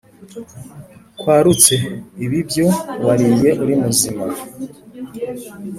kwarutse ibibyo wariye urimuzima.